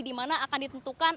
di mana akan ditentukan